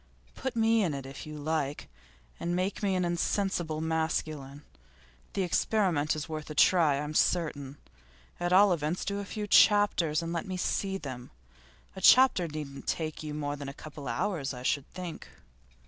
Put me in it, if you like, and make me an insensible masculine. The experiment is worth a try I'm certain. At all events do a few chapters, and let me see them. A chapter needn't take you more than a couple of hours I should think.